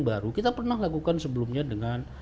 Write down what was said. baru kita pernah lakukan sebelumnya dengan